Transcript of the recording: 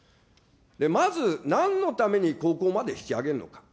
まず、なんのために高校まで引き上げるのか。